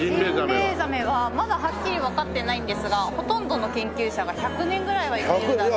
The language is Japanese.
ジンベエザメはまだはっきりわかってないんですがほとんどの研究者が１００年ぐらいは生きるだろうと。